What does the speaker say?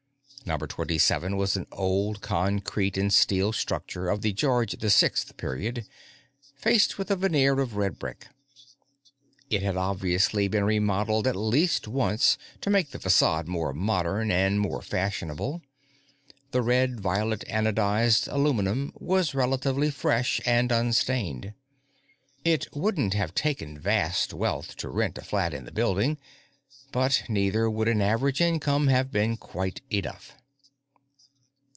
Number 37 was an old concrete and steel structure of the George VI period, faced with a veneer of red brick. It had obviously been remodeled at least once to make the façade more modern and more fashionable; the red violet anodized aluminum was relatively fresh and unstained. It wouldn't have taken vast wealth to rent a flat in the building, but neither would an average income have been quite enough.